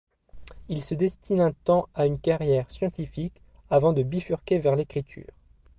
Il se destine un temps à une carrière scientifique avant de bifurquer vers l'écriture.